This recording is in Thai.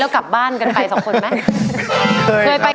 แล้วกลับบ้านกันไปสองคนไหม